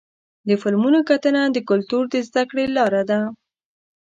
د فلمونو کتنه د کلتور د زدهکړې لاره ده.